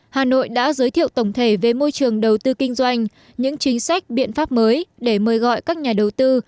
hà nội đã giới thiệu tổng thể về môi trường đầu tư kinh doanh những chính sách biện pháp mới để mời gọi các nhà đầu tư